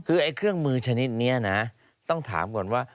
คือเครื่องมือชนิดนี้นะต้องถามก่อนว่า